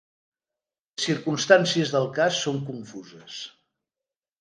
Les circumstàncies del cas són confuses.